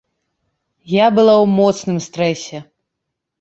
Я была ў моцным стрэсе.